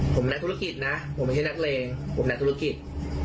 ผมนักธุรกิจนะผมไม่ใช่นักเลงผมนักธุรกิจ